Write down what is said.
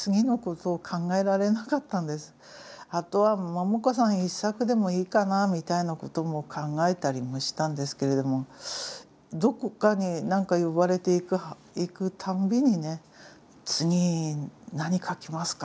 あとは桃子さん１作でもいいかなみたいなことも考えたりもしたんですけれどもどこかに何か呼ばれていくたんびにね「次何書きますか？」